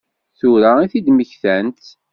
Tura i t-id-mmektant?